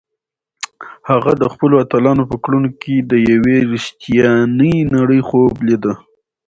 هغه د خپلو اتلانو په کړنو کې د یوې رښتیانۍ نړۍ خوب لیده.